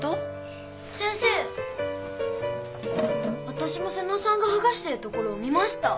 わたしも妹尾さんがはがしてるところを見ました！